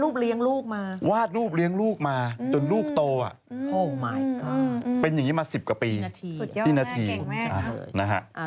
ปีนาทีนะครับนะฮะอืมสุดยอดแม่แก่งแม่